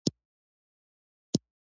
ډيپلوماسي د هیوادونو ترمنځ د همکاری بنسټ دی.